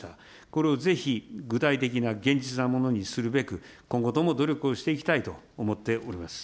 これをぜひ具体的な現実なものにするべく、今後とも努力をしていきたいと思っております。